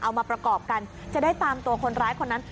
เอามาประกอบกันจะได้ตามตัวคนร้ายคนนั้น